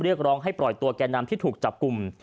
เรียกร้องให้ปล่อยตัวแก่นำที่ถูกจับกลุ่ม